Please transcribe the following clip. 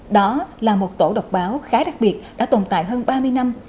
đó là một tổ độc báo khá đặc biệt đã tồn tại hơn ba mươi năm